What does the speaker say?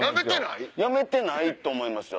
辞めてないと思いますよ